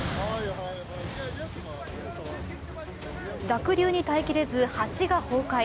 濁流に耐えきれず、橋が崩壊。